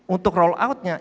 untuk roll out nya